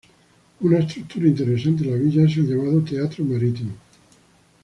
Una estructura interesante en la villa es el llamado "Teatro marítimo".